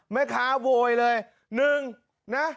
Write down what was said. แม่ค้าโวยเลย